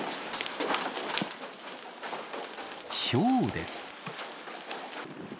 ひょうです。